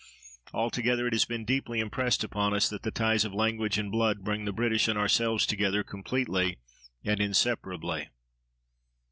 Altogether it has been deeply impressed upon us that the ties of language and blood bring the British and ourselves together completely and inseparably.